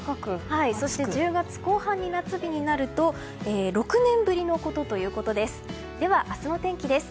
１０月後半に夏日になると６年ぶりのことということです。